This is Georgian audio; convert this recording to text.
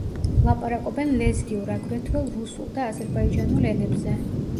ლაპარაკობენ ლეზგიურ, აგრეთვე რუსულ და აზერბაიჯანულ ენებზე.